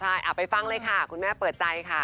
ใช่ไปฟังเลยค่ะคุณแม่เปิดใจค่ะ